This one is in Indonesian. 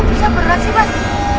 kok bisa berat sih mas